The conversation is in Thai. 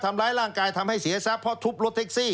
ทำร้ายร่างกายทำให้เสียทรัพย์เพราะทุบรถแท็กซี่